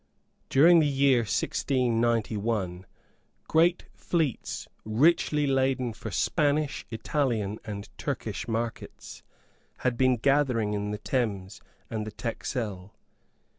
During the year 1691, great fleets, richly laden for Spanish, Italian and Turkish markets, had been gathering in the Thames and the Texel.